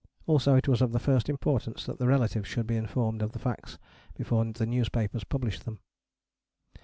Also it was of the first importance that the relatives should be informed of the facts before the newspapers published them.